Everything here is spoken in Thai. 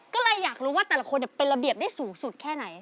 ก็เลยอยากรู้ว่าแต่ละคนเป็นระเบียบได้สูงสุดแค่ไหน